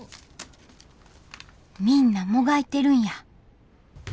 みんなもがいてるんや。